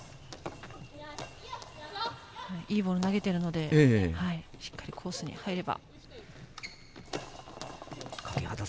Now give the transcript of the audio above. いいボール投げているのでしっかりコースに入れば。